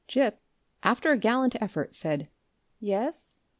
Gip, after a gallant effort, said "Yes."